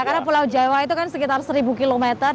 karena pulau jawa itu kan sekitar seribu kilometer